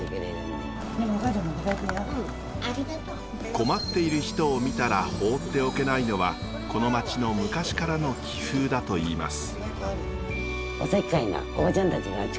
困っている人を見たら放っておけないのはこの町の昔からの気風だといいます。